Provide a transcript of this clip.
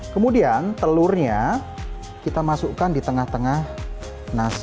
kemudian telurnya kita masukkan di tengah tengah nasi